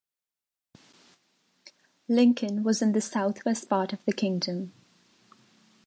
Lincoln was in the south-west part of the kingdom.